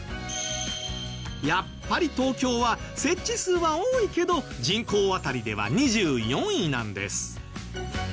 やっぱり東京は設置数は多いけど人口当たりでは２４位なんです。